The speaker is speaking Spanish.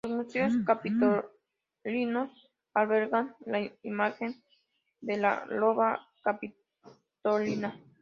Los Museos Capitolinos albergan la imagen de la loba capitolina.